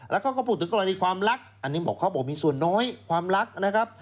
แล้วเขาก็พูดถึงกรณีความรักอันนี้บอกเขาบอกมีส่วนน้อยความรักนะครับ